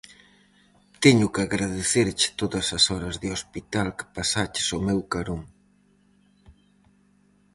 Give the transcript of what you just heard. Teño que agradecerche todas as horas de hospital que pasaches ao meu carón.